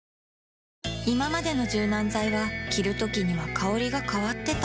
いままでの柔軟剤は着るときには香りが変わってた